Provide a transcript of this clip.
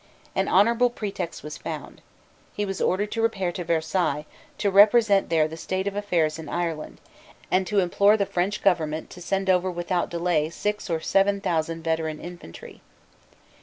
An honourable pretext was found. He was ordered to repair to Versailles, to represent there the state of affairs in Ireland, and to implore the French government to send over without delay six or seven thousand veteran infantry.